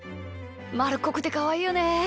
まるっこくてかわいいよね。